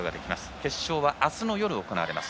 決勝はあすの夜、行われます。